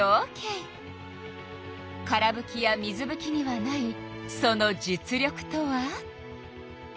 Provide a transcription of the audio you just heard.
からぶきや水ぶきにはないその実力とは！？